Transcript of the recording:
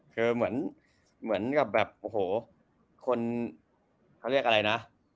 คือเหมือนกับแบบโอ้โหคนเขาเรียกอะไรนะ